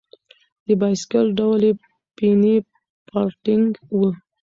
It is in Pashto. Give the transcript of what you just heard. د بایسکل ډول یې پیني فارټېنګ و.